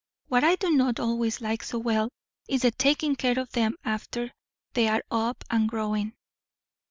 What I do not always like so well, is the taking care of them after they are up and growing."